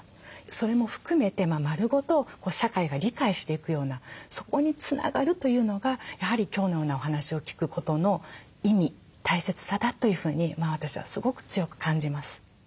それも含めて丸ごと社会が理解していくようなそこにつながるというのがやはり今日のようなお話を聞くことの意味大切さだというふうに私はすごく強く感じます。